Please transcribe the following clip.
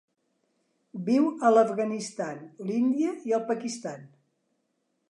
Viu a l'Afganistan, l'Índia i el Pakistan.